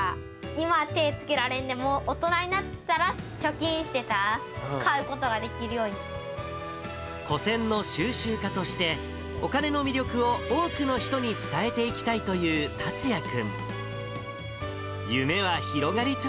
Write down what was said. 今、手つけられんでも、大人になったら貯金してたら買うことがで古銭の収集家として、お金の魅力を多くの人に伝えていきたいという達哉君。